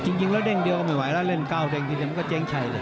จริงแล้วเด้งเดียวก็ไม่ไหวแล้วเล่นก้าวเด้งทีเดียวมันก็เจ๊งชัยเลย